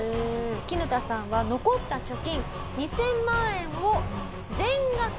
キヌタさんは残った貯金２０００万円を。